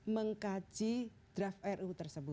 mengkaji draft ru